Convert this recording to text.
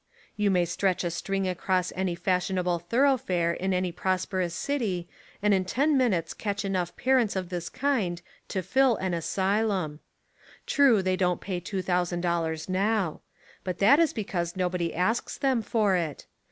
You may stretch a string across any fashionable thoroughfare in any prosperous city and in ten minutes catch enough parents of this kind to fill an asylum. True, they don't pay two thousand dollars now. But that is because nobody asks them for it.